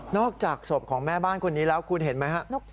อกจากศพของแม่บ้านคนนี้แล้วคุณเห็นไหมฮะ